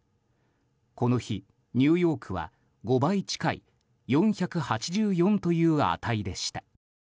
この日、ニューヨークは５倍近い４８４という値でした。